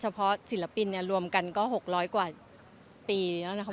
เฉพาะศิลปินรวมกันก็๖๐๐กว่าปีนะครับ